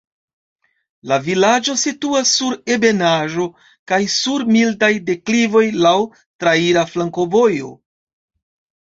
La vilaĝo situas sur ebenaĵo kaj sur mildaj deklivoj, laŭ traira flankovojo.